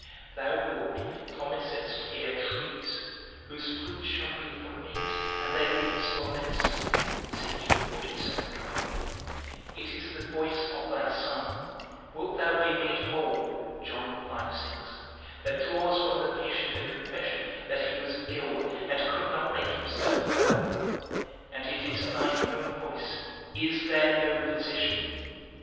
Thou, Lord, promisest here trees, whose fruit shall be for meat, and their leaves for medicine. It is the voice of thy Son, Wilt thou be made whole? that draws from the patient a confession that he was ill, and could not make himself well. And it is thine own voice, _Is there no physician?